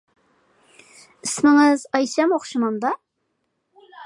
ئىسمىڭىز ئايشەم ئوخشىمامدا؟